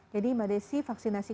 jadi mbak desy vaksinasi